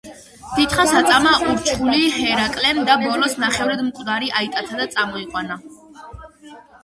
დიდხანს აწამა ურჩხული ჰერაკლემ და ბოლოს ნახევრად მკვდარი აიტაცა და წამოიყვანა.